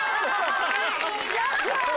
やった！